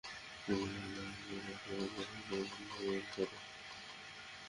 দুজাইল নামক এক বিরাট নদী তার পিয়াসা নিবারণ করে।